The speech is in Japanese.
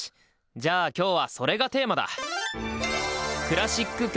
じゃあ今日はそれがテーマだ！